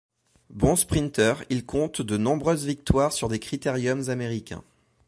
Bon sprinteur, il compte de nombreuses victoires sur des critériums américains.